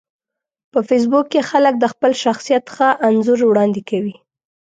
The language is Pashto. په فېسبوک کې خلک د خپل شخصیت ښه انځور وړاندې کوي